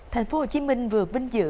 thành phố hồ chí minh vừa binh dự